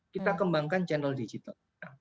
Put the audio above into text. kita kembangkan channel digital